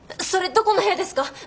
それどこの部屋ですか？